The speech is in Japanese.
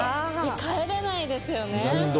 帰れないですよね。